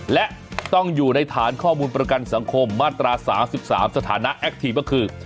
และต้องอยู่ในฐานข้อมูลประกันสังคมมาตรา๓๓สถานะแอคทีฟก็คือ